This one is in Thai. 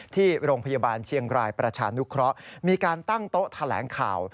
ที่โรงพยาบาลเชียงรายประชานุเคราะห์มีการตั้งโต๊ะแถลงข่าว